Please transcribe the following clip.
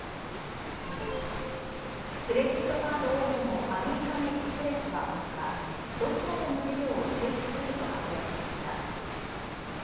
クレジットカード大手のアメリカン・エキスプレスは６日ロシアでの事業を停止すると発表しました。